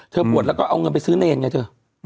ปวดแล้วก็เอาเงินไปซื้อเนรไงเธอ